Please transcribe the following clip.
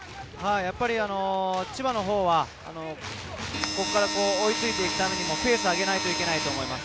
千葉のほうは、ここから追いついていくためにもペースを上げないといけないと思います。